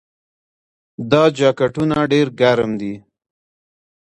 دا جاکټونه ډیر ګرم دي.